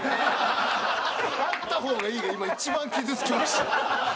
「あった方がいい」が今一番傷つきました。